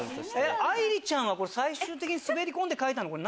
愛梨ちゃんは最終的に滑り込んで書いたの何ですか？